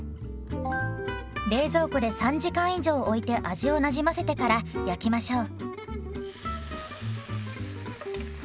冷蔵庫で３時間以上おいて味をなじませてから焼きましょう。